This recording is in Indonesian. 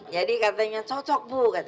jadi katanya cocok bu